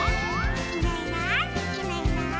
「いないいないいないいない」